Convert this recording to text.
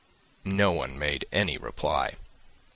No one made any reply.